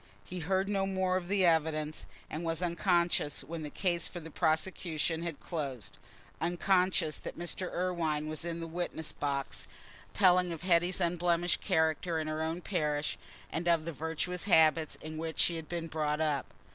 He heard no more of the evidence, and was unconscious when the case for the prosecution had closed—unconscious that Mr. Irwine was in the witness box, telling of Hetty's unblemished character in her own parish and of the virtuous habits in which she had been brought up.